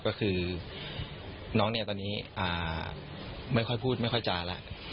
ก็คือน้องเนี่ยตอนนี้ไม่ค่อยพูดไม่ค่อยจาแล้ว